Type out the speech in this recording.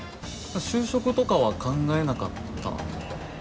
就職とかは考えなかった？